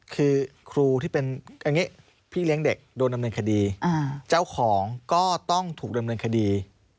คือครูที่เป็นอย่างนี้พี่เลี้ยงเด็กโดนดำเนินคดีเจ้าของก็ต้องถูกดำเนินคดี